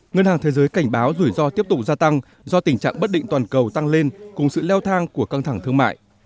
ngân hàng thế giới cảnh báo rủi ro tiếp tục gia tăng do tình trạng bất định toàn cầu tăng lên cùng sự leo thang của căng thẳng thương mại